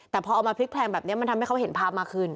แต่พอเอามาพลิกแพลงแบบนี้มันทำให้เขาเห็นภาพมากขึ้น